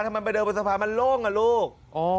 ทำไมไปเดินบนสะพานมันโล่งอ่ะลูก